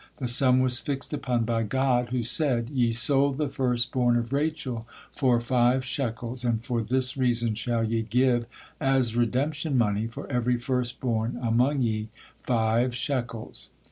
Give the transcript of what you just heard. The sum was fixed upon by God, who said: "Ye sold the first born of Rachel for five shekels, and for this reason shall ye give as redemption money for every first born among ye five shekels."